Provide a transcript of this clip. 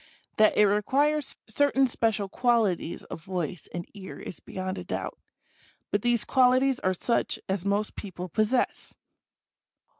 That it requires certain special qualities of voice and ear is beyond a doubt ; but these qualities are such as most people possess.